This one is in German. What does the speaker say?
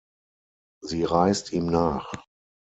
Sie reist ihm nach.